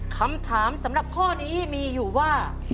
คำถามสำหรับข้อนี้มีอยู่ว่า